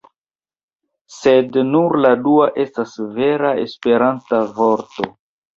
Sed nur la dua estas vera Esperanta vorto.